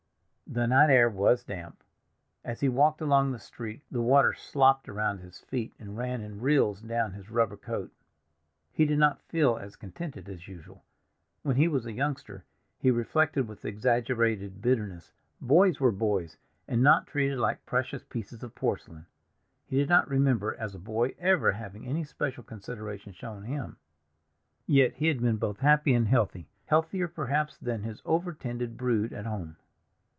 The night air was damp. As he walked along the street the water slopped around his feet, and ran in rills down his rubber coat. He did not feel as contented as usual. When he was a youngster, he reflected with exaggerated bitterness, boys were boys, and not treated like precious pieces of porcelain. He did not remember, as a boy, ever having any special consideration shown him; yet he had been both happy and healthy, healthier perhaps than his over tended brood at home.